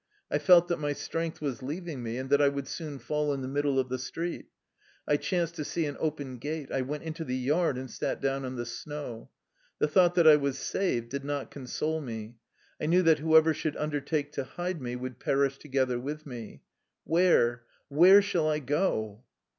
I felt that my strength was leaving me, and that I would soon fall in the middle of the street. I chanced to see an open gate. I went into the yard, and sat down on the snow. The thought that I was saved did not console me. I knew that whoever should undertake to hide me would perish to gether with me. "Where, where shall I go?"